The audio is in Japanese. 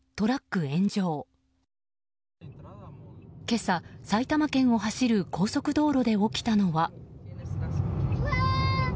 今朝、埼玉県を走る高速道路で起きたのは。